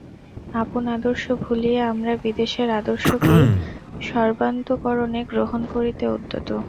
আপন আদর্শ ভুলিয়া আমরা বিদেশের আদর্শকেই সর্বান্তঃকরণে গ্রহণ করিতে উদ্যত।